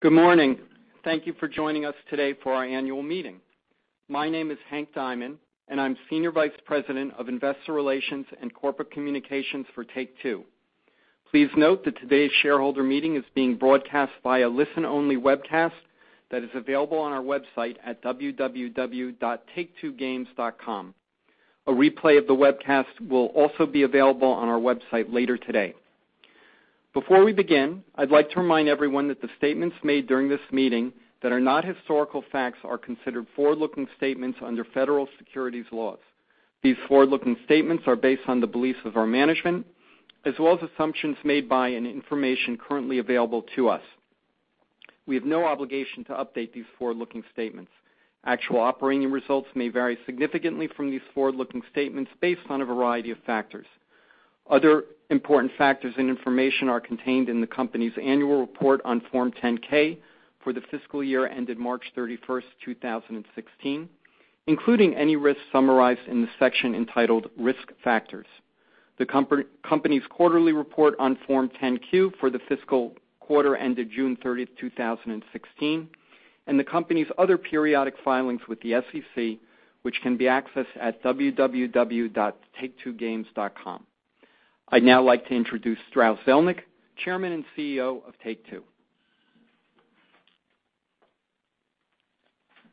Good morning. Thank you for joining us today for our annual meeting. My name is Hank Diamond, and I'm Senior Vice President of Investor Relations and Corporate Communications for Take-Two. Please note that today's shareholder meeting is being broadcast by a listen-only webcast that is available on our website at www.taketwogames.com. A replay of the webcast will also be available on our website later today. Before we begin, I'd like to remind everyone that the statements made during this meeting that are not historical facts are considered forward-looking statements under federal securities laws. These forward-looking statements are based on the beliefs of our management as well as assumptions made by and information currently available to us. We have no obligation to update these forward-looking statements. Actual operating results may vary significantly from these forward-looking statements based on a variety of factors. Other important factors and information are contained in the company's annual report on Form 10-K for the fiscal year ended March 31st, 2016, including any risks summarized in the section entitled Risk Factors. The company's quarterly report on Form 10-Q for the fiscal quarter ended June 30th, 2016, and the company's other periodic filings with the SEC, which can be accessed at www.taketwogames.com. I'd now like to introduce Strauss Zelnick, Chairman and CEO of Take-Two.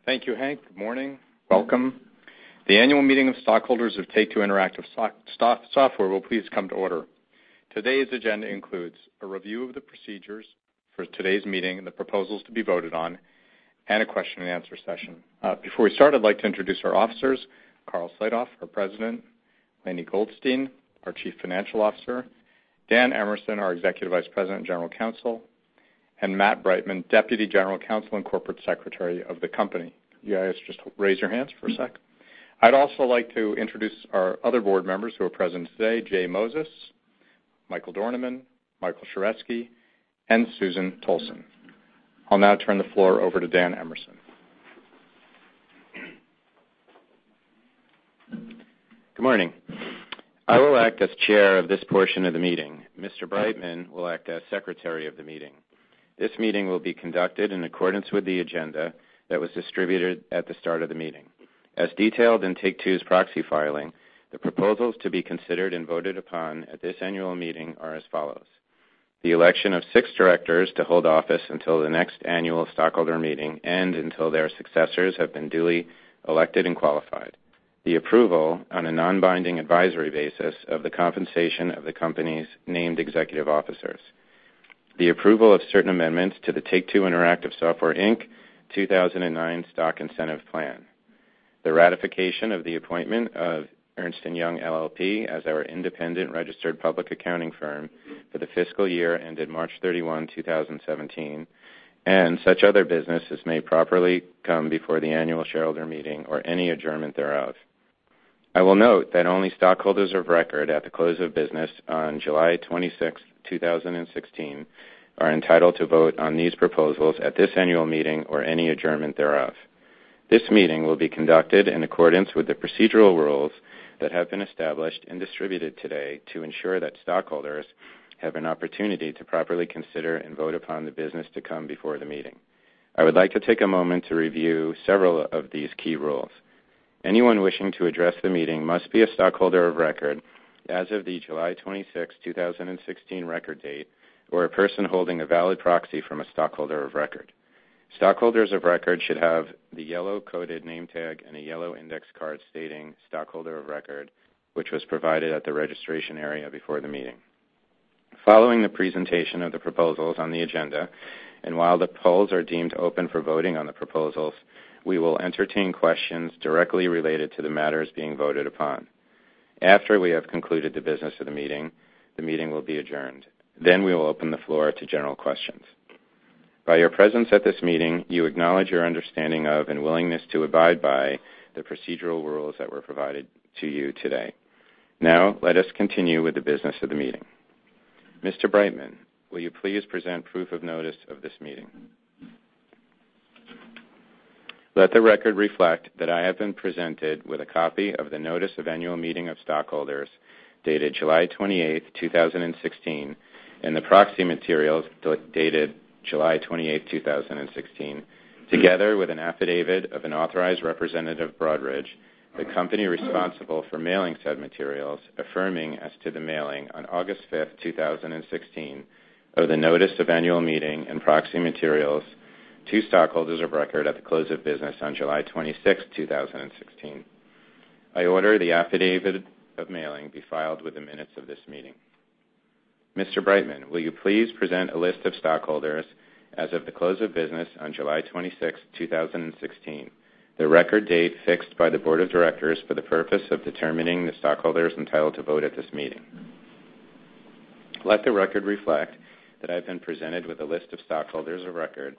Thank you, Hank. Good morning. Welcome. The annual meeting of stockholders of Take-Two Interactive Software will please come to order. Today's agenda includes a review of the procedures for today's meeting and the proposals to be voted on, and a question and answer session. Before we start, I'd like to introduce our officers, Karl Slatoff, our President, Lainie Goldstein, our Chief Financial Officer, Dan Emerson, our Executive Vice President and General Counsel, and Matt Breitman, Deputy General Counsel and Corporate Secretary of the company. You guys just raise your hands for a sec. I'd also like to introduce our other board members who are present today, Jon Moses, Michael Dornemann, Michael Sheresky, and Susan Tolson. I'll now turn the floor over to Dan Emerson. Good morning. I will act as chair of this portion of the meeting. Mr. Breitman will act as secretary of the meeting. This meeting will be conducted in accordance with the agenda that was distributed at the start of the meeting. As detailed in Take-Two's proxy filing, the proposals to be considered and voted upon at this annual meeting are as follows: The election of six directors to hold office until the next annual stockholder meeting and until their successors have been duly elected and qualified. The approval on a non-binding advisory basis of the compensation of the company's named executive officers. The approval of certain amendments to the Take-Two Interactive Software, Inc. 2009 Stock Incentive Plan. The ratification of the appointment of Ernst & Young LLP as our independent registered public accounting firm for the fiscal year ended March 31, 2017, and such other business as may properly come before the annual shareholder meeting or any adjournment thereof. I will note that only stockholders of record at the close of business on July 26th, 2016, are entitled to vote on these proposals at this annual meeting or any adjournment thereof. This meeting will be conducted in accordance with the procedural rules that have been established and distributed today to ensure that stockholders have an opportunity to properly consider and vote upon the business to come before the meeting. I would like to take a moment to review several of these key rules. Anyone wishing to address the meeting must be a stockholder of record as of the July 26th, 2016, record date, or a person holding a valid proxy from a stockholder of record. Stockholders of record should have the yellow-coded name tag and a yellow index card stating "Stockholder of Record," which was provided at the registration area before the meeting. Following the presentation of the proposals on the agenda, while the polls are deemed open for voting on the proposals, we will entertain questions directly related to the matters being voted upon. After we have concluded the business of the meeting, the meeting will be adjourned. We will open the floor to general questions. By your presence at this meeting, you acknowledge your understanding of and willingness to abide by the procedural rules that were provided to you today. Let us continue with the business of the meeting. Mr. Breitman, will you please present proof of notice of this meeting? Let the record reflect that I have been presented with a copy of the Notice of Annual Meeting of Stockholders dated July 28th, 2016, and the proxy materials dated July 28th, 2016, together with an affidavit of an authorized representative of Broadridge, the company responsible for mailing said materials, affirming as to the mailing on August 5th, 2016, of the notice of annual meeting and proxy materials to stockholders of record at the close of business on July 26th, 2016. I order the affidavit of mailing be filed with the minutes of this meeting. Mr. Breitman, will you please present a list of stockholders as of the close of business on July 26th, 2016, the record date fixed by the board of directors for the purpose of determining the stockholders entitled to vote at this meeting? Let the record reflect that I've been presented with a list of stockholders of record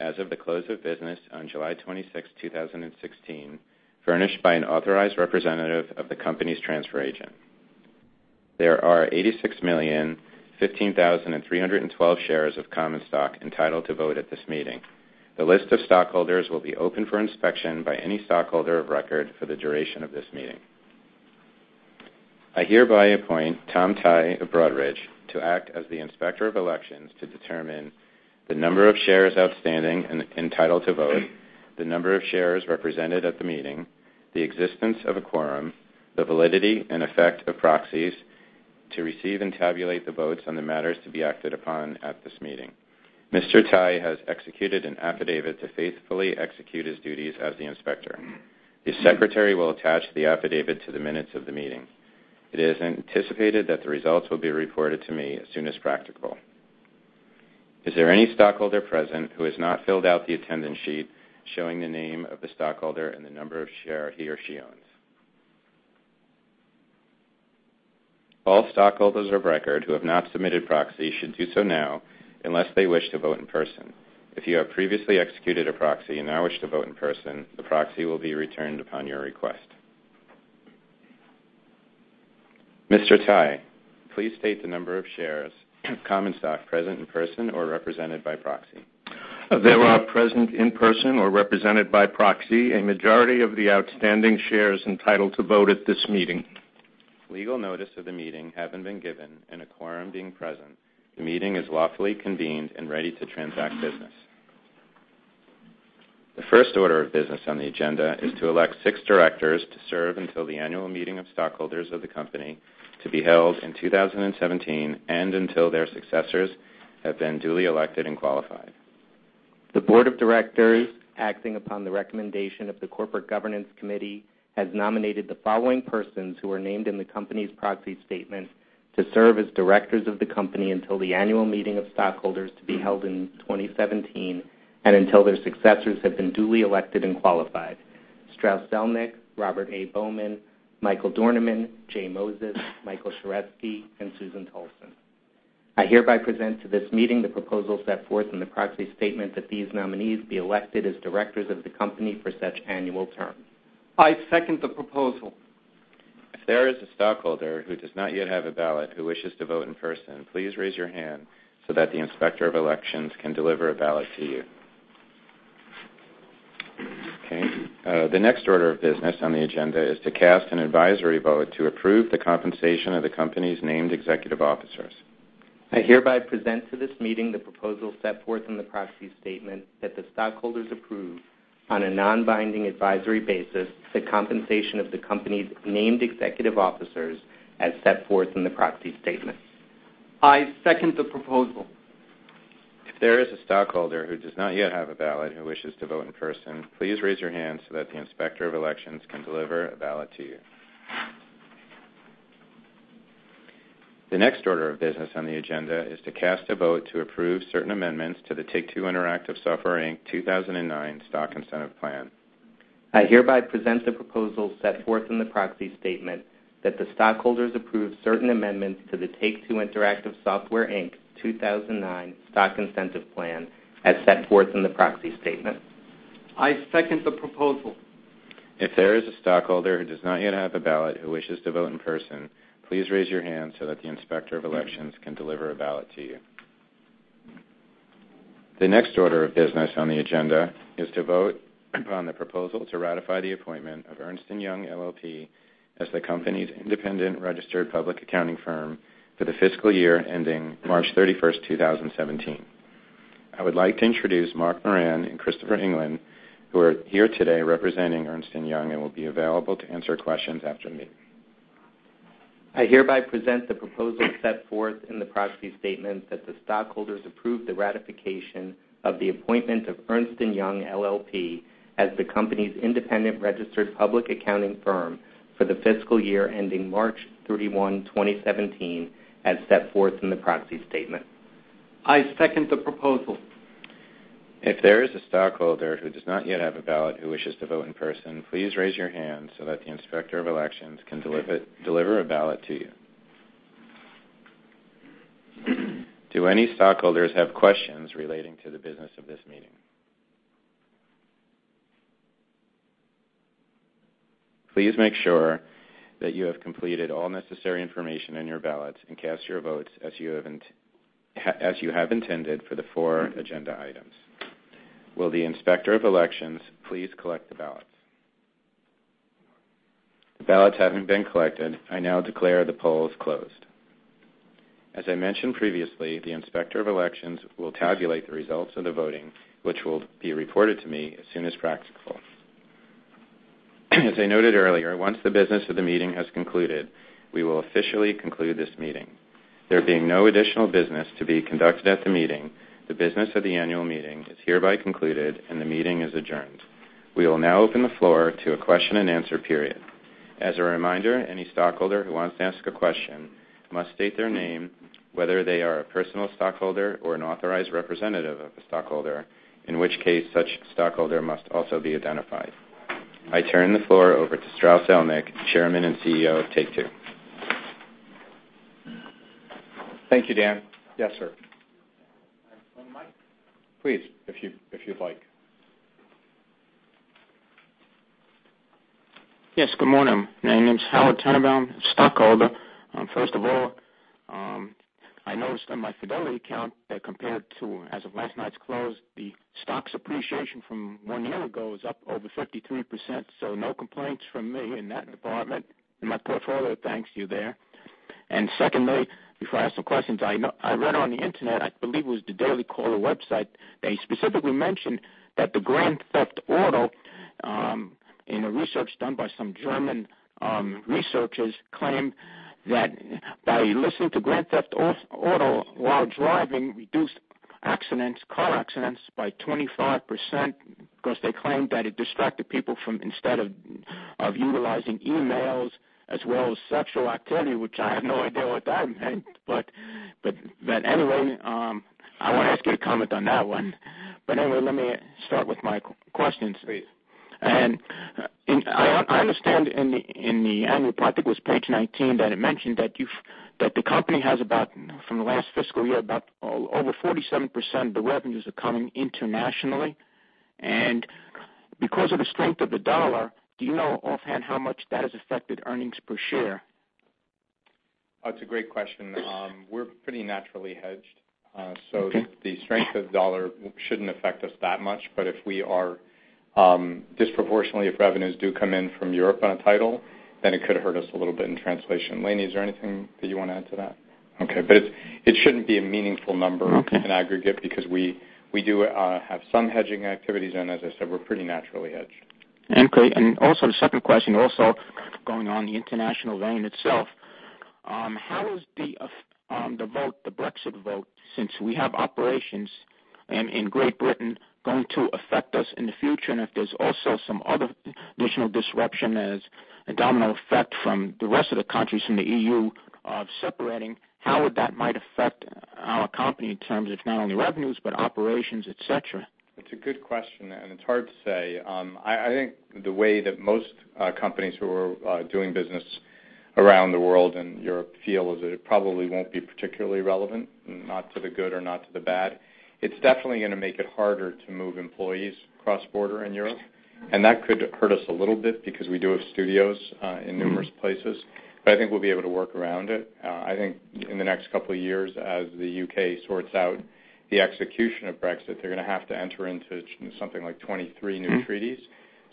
as of the close of business on July 26th, 2016, furnished by an authorized representative of the company's transfer agent. There are 86,015,312 shares of common stock entitled to vote at this meeting. The list of stockholders will be open for inspection by any stockholder of record for the duration of this meeting. I hereby appoint Tom Tighe of Broadridge to act as the Inspector of Elections to determine the number of shares outstanding and entitled to vote, the number of shares represented at the meeting, the existence of a quorum, the validity and effect of proxies, to receive and tabulate the votes on the matters to be acted upon at this meeting. Mr. Tighe has executed an affidavit to faithfully execute his duties as the Inspector. The secretary will attach the affidavit to the minutes of the meeting. It is anticipated that the results will be reported to me as soon as practical. Is there any stockholder present who has not filled out the attendance sheet showing the name of the stockholder and the number of share he or she owns? All stockholders of record who have not submitted proxy should do so now unless they wish to vote in person. If you have previously executed a proxy and now wish to vote in person, the proxy will be returned upon your request. Mr. Tighe, please state the number of shares of common stock present in person or represented by proxy. There are present in person or represented by proxy a majority of the outstanding shares entitled to vote at this meeting. Legal notice of the meeting having been given and a quorum being present, the meeting is lawfully convened and ready to transact business. The first order of business on the agenda is to elect six directors to serve until the annual meeting of stockholders of the company to be held in 2017 and until their successors have been duly elected and qualified. The Board of Directors, acting upon the recommendation of the Corporate Governance Committee, has nominated the following persons who are named in the company's proxy statement to serve as directors of the company until the annual meeting of stockholders to be held in 2017 and until their successors have been duly elected and qualified. Strauss Zelnick, Robert A. Bowman, Michael Dornemann, Jon Moses, Michael Sheresky, and Susan Tolson. I hereby present to this meeting the proposal set forth in the proxy statement that these nominees be elected as directors of the company for such annual terms. I second the proposal. If there is a stockholder who does not yet have a ballot who wishes to vote in person, please raise your hand so that the Inspector of Elections can deliver a ballot to you. Okay. The next order of business on the agenda is to cast an advisory vote to approve the compensation of the company's named executive officers. I hereby present to this meeting the proposal set forth in the proxy statement that the stockholders approve, on a non-binding advisory basis, the compensation of the company's named executive officers as set forth in the proxy statement. I second the proposal. If there is a stockholder who does not yet have a ballot who wishes to vote in person, please raise your hand so that the Inspector of Elections can deliver a ballot to you. The next order of business on the agenda is to cast a vote to approve certain amendments to the Take-Two Interactive Software, Inc. 2009 Stock Incentive Plan. I hereby present the proposal set forth in the proxy statement that the stockholders approve certain amendments to the Take-Two Interactive Software, Inc. 2009 Stock Incentive Plan as set forth in the proxy statement. I second the proposal. If there is a stockholder who does not yet have a ballot who wishes to vote in person, please raise your hand so that the Inspector of Elections can deliver a ballot to you. The next order of business on the agenda is to vote upon the proposal to ratify the appointment of Ernst & Young LLP as the company's independent registered public accounting firm for the fiscal year ending March 31st, 2017. I would like to introduce Mark Moran and Christopher England, who are here today representing Ernst & Young and will be available to answer questions after the meeting. I hereby present the proposal set forth in the proxy statement that the stockholders approve the ratification of the appointment of Ernst & Young LLP as the company's independent registered public accounting firm for the fiscal year ending March 31, 2017, as set forth in the proxy statement. I second the proposal. If there is a stockholder who does not yet have a ballot who wishes to vote in person, please raise your hand so that the Inspector of Elections can deliver a ballot to you. Do any stockholders have questions relating to the business of this meeting? Please make sure that you have completed all necessary information in your ballots and cast your votes as you have intended for the four agenda items. Will the Inspector of Elections please collect the ballots? The ballots having been collected, I now declare the polls closed. As I mentioned previously, the Inspector of Elections will tabulate the results of the voting, which will be reported to me as soon as practical. As I noted earlier, once the business of the meeting has concluded, we will officially conclude this meeting. There being no additional business to be conducted at the meeting, the business of the annual meeting is hereby concluded, and the meeting is adjourned. We will now open the floor to a question and answer period. As a reminder, any stockholder who wants to ask a question must state their name, whether they are a personal stockholder or an authorized representative of a stockholder, in which case such stockholder must also be identified. I turn the floor over to Strauss Zelnick, Chairman and CEO of Take-Two. Thank you, Dan. Yes, sir. One mic. Please, if you'd like. Yes, good morning. My name is Howard Tenenbaum, stockholder. First of all I noticed on my Fidelity account that compared to as of last night's close, the stock's appreciation from one year ago is up over 53%. No complaints from me in that department, and my portfolio thanks you there. Secondly, before I ask some questions, I read on the internet, I believe it was the Daily Caller website, they specifically mentioned that the "Grand Theft Auto," in a research done by some German researchers, claimed that by listening to "Grand Theft Auto" while driving reduced car accidents by 25%, because they claimed that it distracted people from instead of utilizing emails as well as sexual activity, which I have no idea what that meant. Anyway, I want to ask you to comment on that one. Anyway, let me start with my questions. Please. I understand in the annual, I think it was page 19, that it mentioned that the company has, from the last fiscal year, about over 47% of the revenues are coming internationally. Because of the strength of the dollar, do you know offhand how much that has affected earnings per share? That's a great question. We're pretty naturally hedged. Okay. The strength of the dollar shouldn't affect us that much. If we are disproportionately, if revenues do come in from Europe on a title, then it could hurt us a little bit in translation. Lainie, is there anything that you want to add to that? Okay. It shouldn't be a meaningful number. Okay in aggregate because we do have some hedging activities and as I said, we're pretty naturally hedged. Okay. Also the second question, also going on the international vein itself. How is the Brexit vote, since we have operations in Great Britain, going to affect us in the future? If there's also some other additional disruption as a domino effect from the rest of the countries from the EU separating, how would that might affect our company in terms of not only revenues, but operations, et cetera? It's a good question, and it's hard to say. I think the way that most companies who are doing business around the world and Europe feel is that it probably won't be particularly relevant, not to the good or not to the bad. It's definitely going to make it harder to move employees cross-border in Europe. That could hurt us a little bit because we do have studios in numerous places. I think we'll be able to work around it. I think in the next couple of years as the U.K. sorts out the execution of Brexit, they're going to have to enter into something like 23 new treaties.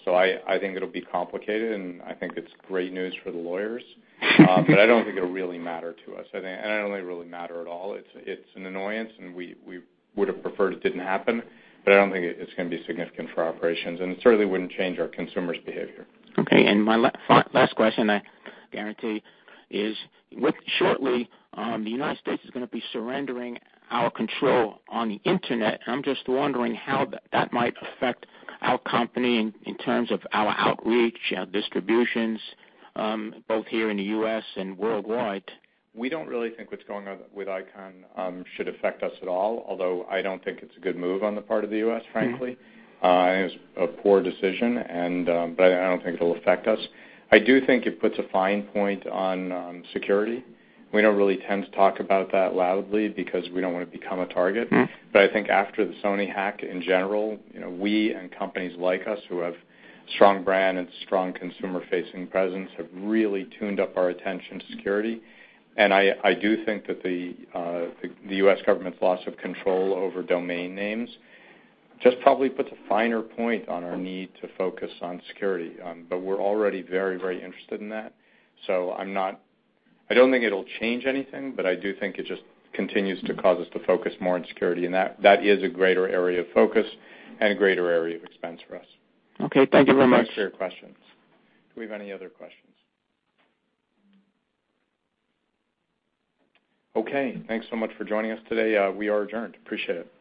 I think it'll be complicated and I think it's great news for the lawyers. I don't think it'll really matter to us. I don't think it'll really matter at all. It's an annoyance and we would've preferred it didn't happen, but I don't think it's going to be significant for our operations, and it certainly wouldn't change our consumers' behavior. Okay, my last question, I guarantee, is shortly the U.S. is going to be surrendering our control on the internet, and I'm just wondering how that might affect our company in terms of our outreach, our distributions, both here in the U.S. and worldwide. We don't really think what's going on with ICANN should affect us at all, although I don't think it's a good move on the part of the U.S., frankly. It is a poor decision, but I don't think it'll affect us. I do think it puts a fine point on security. We don't really tend to talk about that loudly because we don't want to become a target. I think after the Sony hack in general, we and companies like us who have strong brand and strong consumer-facing presence have really tuned up our attention to security. I do think that the U.S. government's loss of control over domain names just probably puts a finer point on our need to focus on security. We're already very interested in that. I don't think it'll change anything, but I do think it just continues to cause us to focus more on security, and that is a greater area of focus and a greater area of expense for us. Okay. Thank you very much. Thanks for your questions. Do we have any other questions? Okay. Thanks so much for joining us today. We are adjourned. Appreciate it.